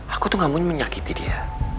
aku tuh gak maunya menyakiti dia